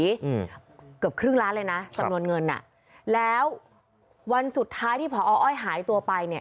เกือบครึ่งล้านเลยนะสำนวนเงินแล้ววันสุดท้ายที่ผออ้อยหายตัวไป